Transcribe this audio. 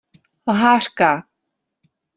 Lhářka!